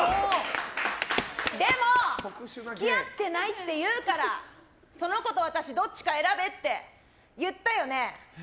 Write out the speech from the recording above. でも付き合ってないって言うからその子と私、どっちか選べって言ったよね。